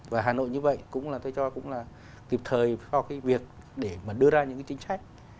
và hà nội như vậy cũng là tôi cho cũng là kịp thời cho cái việc để mà đưa ra những cái chính sách